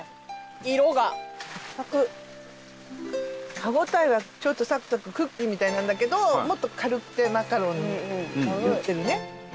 歯応えはちょっとサクサククッキーみたいなんだけどもっと軽くてマカロンに寄ってるね。